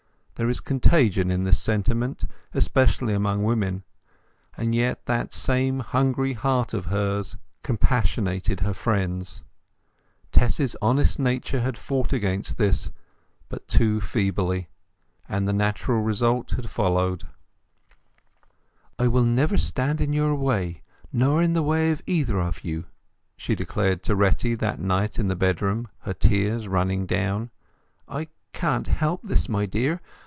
There is contagion in this sentiment, especially among women. And yet that same hungry nature had fought against this, but too feebly, and the natural result had followed. "I will never stand in your way, nor in the way of either of you!" she declared to Retty that night in the bedroom (her tears running down). "I can't help this, my dear!